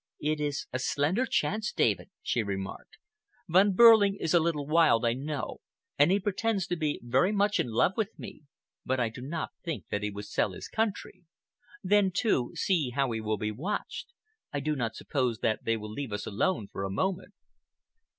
"It is a slender chance, David," she remarked. "Von Behrling is a little wild, I know, and he pretends to be very much in love with me, but I do not think that he would sell his country. Then, too, see how he will be watched. I do not suppose that they will leave us alone for a moment."